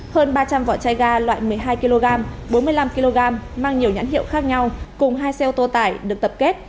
hơn ba trăm linh vỏ chai ga loại một mươi hai kg bốn mươi năm kg mang nhiều nhãn hiệu khác nhau cùng hai xe ô tô tải được tập kết